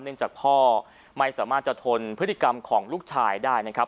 จากพ่อไม่สามารถจะทนพฤติกรรมของลูกชายได้นะครับ